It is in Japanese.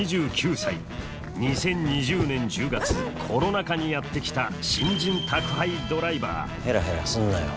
２０２０年１０月コロナ禍にやって来た新人宅配ドライバーヘラヘラすんなよ。